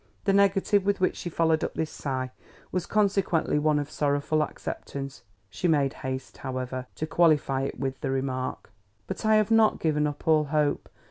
The negative with which she followed up this sigh was consequently one of sorrowful acceptance. She made haste, however, to qualify it with the remark: "But I have not given up all hope.